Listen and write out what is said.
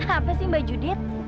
apa sih mbak judet